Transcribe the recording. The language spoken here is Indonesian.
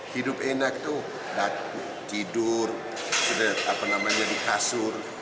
hidup enak itu tidur sudah di kasur